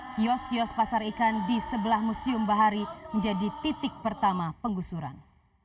kios kios pasar ikan di sebelah museum bahari menjadi titik pertama penggusuran